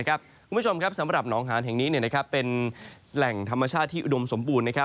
คุณผู้ชมครับสำหรับหนองหานแห่งนี้เป็นแหล่งธรรมชาติที่อุดมสมบูรณ์